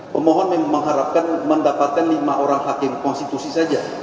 pemohon mengharapkan mendapatkan lima orang hakim konstitusi saja